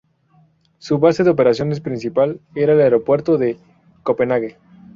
Su base de operaciones principal era el Aeropuerto de Copenhague.